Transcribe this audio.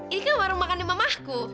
ini kan warung makannya mamahku